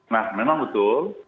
nah memang betul